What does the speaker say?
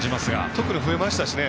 特に増えましたしね